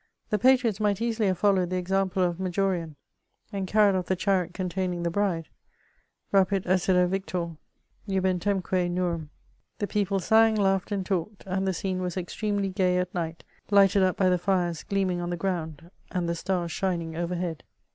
The patriots might easily have followed the example of Majorian, imd carried off the chariot containing the htvaei^Bapii esseda vietor^ nubeu' temque nurum. The people sang, laughed, and talked, and the scene was extremely gay at night, lighted up by the fires gleaming on the ground, and the stars smning overhead.